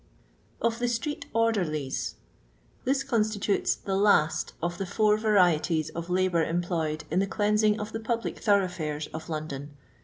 Of the Street Obds&liss. Tnis constitutes the last of the four yarietics of labour employed in the cleansing of the public thuroughfures of London.